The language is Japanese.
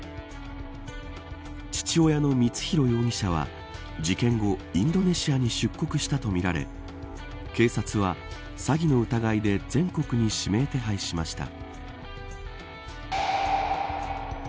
父親の光弘容疑者は事件後、インドネシアに出国したとみられ警察は、詐欺の疑いで全国に指名手配しました。